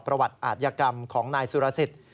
ประวัติอาทยากรรมของนายสุรสิทธิ์